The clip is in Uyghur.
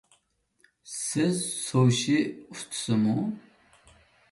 سىز سۇشى ئۇستىسىمۇ؟